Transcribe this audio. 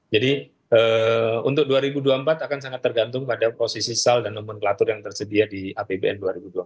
jadi untuk dua ribu dua puluh empat akan sangat tergantung pada prosesi sal dan nomenklatur yang tersedia di apbn dua ribu dua puluh empat